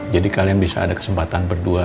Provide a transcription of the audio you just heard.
jadi kalian bisa ada kesempatan berdua